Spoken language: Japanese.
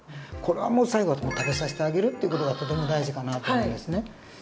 これはもう最後は食べさせてあげるっていう事がとても大事かなと思うんですね。